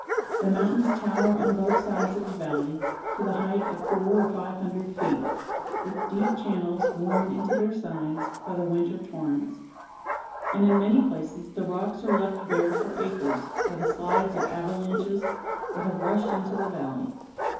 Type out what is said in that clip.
The mountains tower on both sides of the valley to the height of four or five hundred feet, with deep channels worn into their sides by the winter torrents; and in many places the rocks are left bare for acres by the slides of avalanches that have rushed into the valley.